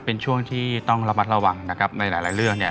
เป็นช่วงที่ต้องระวังในหลายเรื่องเนี่ย